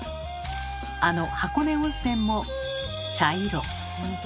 あの箱根温泉も茶色。